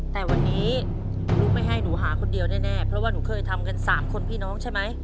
แต่วันนี้ลูกไม่ให้หนูหาคนเดียวแน่เพราะว่าหนูเคยทำกัน๓คนพี่น้องใช่ไหม